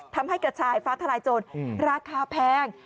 ทำให้กระชายฟ้าทลายโจรราคาแพง